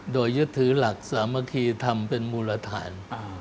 โดยยึดถือหลักสามัคคีทำเป็นมูลฐาน